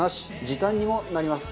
時短にもなります。